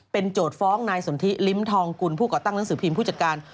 โจทย์ฟ้องนายสนทิลิ้มทองกุลผู้ก่อตั้งหนังสือพิมพ์ผู้จัดการ